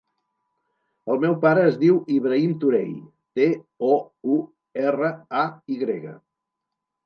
El meu pare es diu Ibrahim Touray: te, o, u, erra, a, i grega.